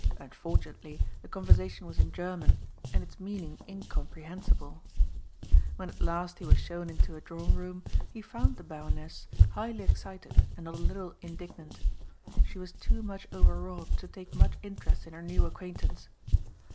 Unfortunately the conversation was in German and its meaning incomprehensible. When at last he was shown into a drawing room he found the Baroness highly excited and not a little indignant. She was too much overwrought to take much interest in her new acquaintance.